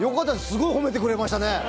すごい褒めてくれましたね。